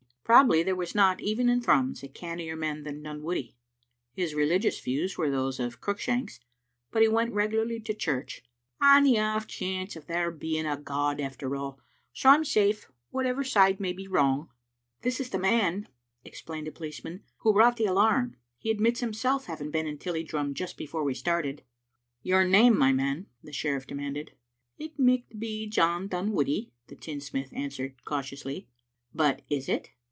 Probably there was not, even in Thrums, a cannier man than Dunwoodie. His religious views were those of Cruickshanks, but he went regularly to church " on the off chance of there being a <^^ after all ; so Tm safe, whatever side may be wrong. " Digitized by VjOOQ IC JSbc Bma5on0 ot TOntma, 55 "This is the man," explained a policeman, "who brought the alarm. He admits himself having been in Tilliedrum just before we started." " Your name, my man?" the sheriff demanded. "It micht be John Dunwoodie," the tinsmith an swered cautiously. "But is it?"